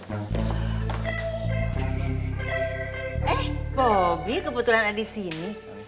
eh bobby kebetulan ada disini